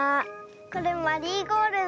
これマリーゴールド。